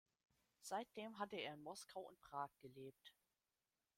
Seitdem hatte er in Moskau und Prag gelebt.